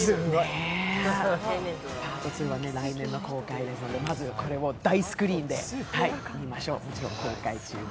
パート２は来年の公開なので、まずこれを大スクリーンで見ましょう。